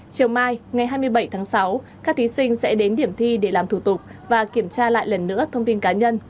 chiều mai ngày hai mươi bảy tháng sáu các thí sinh sẽ đến điểm thi để làm thủ tục và kiểm tra lại lần nữa thông tin cá nhân